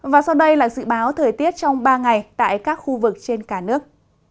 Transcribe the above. và sau đây là dự báo thời tiết trong ba ngày tại các khu vực trên cả nước